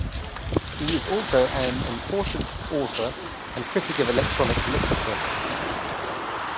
He is also an important author and critic of electronic literature.